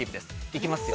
行きますよ。